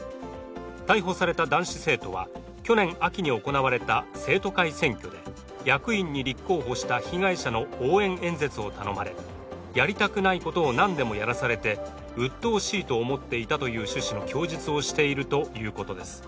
逮捕された男子生徒は去年秋に行われた生徒会選挙で役員に立候補した被害者の応援演説を頼まれやりたくないことをなんでもやらされてうっとうしいと思っていたという趣旨の供述をしているということです。